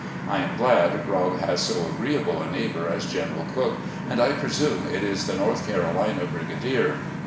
X am glad Rob has so agreeable a neighbour as General Cooke, and I presume it is the North Carolina brigadier.